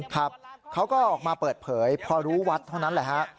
ครับเขาก็ออกมาเปิดเผยพอรู้วัดเท่านั้นแหละฮะ